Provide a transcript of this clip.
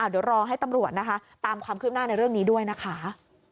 เดี๋ยวรอให้ตำรวจนะคะตามความคืบหน้าในเรื่องนี้ด้วยนะคะ